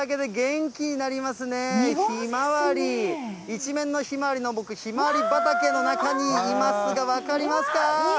一面のひまわりの、僕、ひまわり畑の中にいますが、分かりますか？